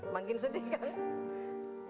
makin sedih kan